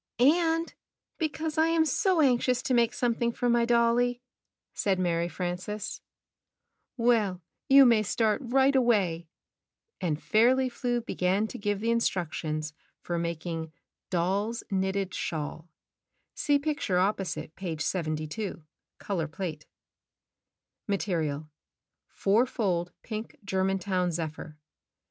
"And because I am so anxious to make something for my dolly," said Mary Frances. "Well, you may start right away/' and Fairly Flew began to give the instructions for making — rJimtps into the cake' Doing it Over Again 171 Doll's Knitted Shawl (See picture opposite page 72 — color plate) Material: Four fold pink Germantown zephyr.